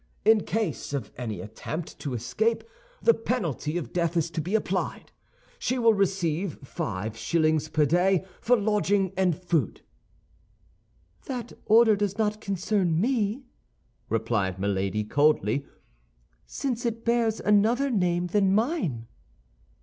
In case of any attempt to escape, the penalty of death is to be applied. She will receive five shillings per day for lodging and food'". "That order does not concern me," replied Milady, coldly, "since it bears another name than mine."